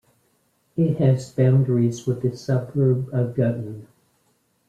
It has boundaries with the suburb of Gunton.